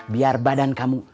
biar badan kamu